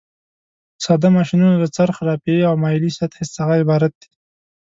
ساده ماشینونه له څرخ، رافعې او مایلې سطحې څخه عبارت دي.